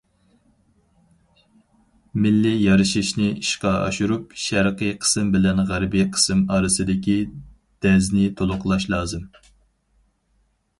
مىللىي يارىشىشنى ئىشقا ئاشۇرۇپ، شەرقىي قىسىم بىلەن غەربىي قىسىم ئارىسىدىكى دەزنى تولۇقلاش لازىم.